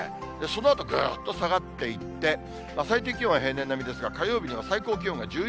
そのあとぐっと下がっていって、最低気温は平年並みですが、火曜日には最高気温が１４度。